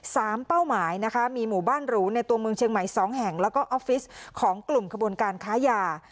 เป้าหมายนะคะมีหมู่บ้านหรูในตัวเมืองเชียงใหม่สองแห่งแล้วก็ออฟฟิศของกลุ่มขบวนการค้ายา